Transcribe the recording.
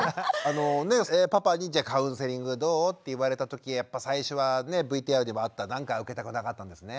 パパに「カウンセリングどう？」って言われたときやっぱ最初はＶＴＲでもあったなんか受けたくなかったんですね。